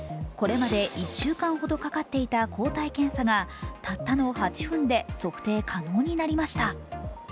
これまで１週間ほどかかっていた抗体検査がたったの８分で測定可能になりました。